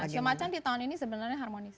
sio macang di tahun ini sebenarnya harmonis